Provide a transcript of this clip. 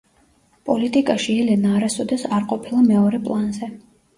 პოლიტიკაში ელენა არასოდეს არ ყოფილა მეორე პლანზე.